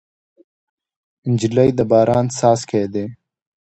نجلۍ د باران څاڅکی ده.